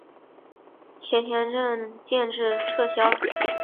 咸田镇建制撤销。